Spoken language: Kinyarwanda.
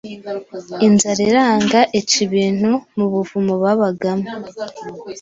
inzara iranga ica ibintu mubuvumo babagamo